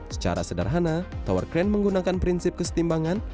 secara sederhana tower crane menggunakan prinsip kesetimbangan